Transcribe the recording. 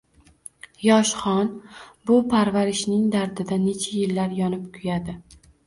Yosh xon bu parivashning dardida necha yillar yonib-kuyadi.